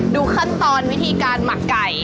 ดูขั้นตอนวิธีการหมักไก่